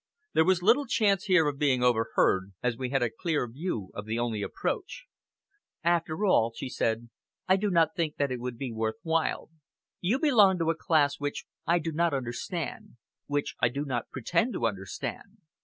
There was little chance here of being overheard, as we had a clear view of the only approach. "After all," she said, "I do not think that it would be worth while. You belong to a class which I do not understand which I do not pretend to understand.